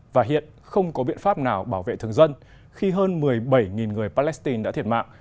và hiện không có biện pháp nào bảo vệ thường dân khi hơn một mươi bảy người palestine đã thiệt mạng